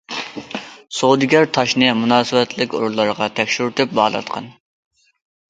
سودىگەر تاشنى مۇناسىۋەتلىك ئورۇنلارغا تەكشۈرتۈپ باھالاتقان.